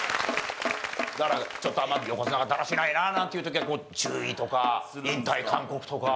だからちょっと横綱がだらしないななんていう時はこう注意とか引退勧告とか。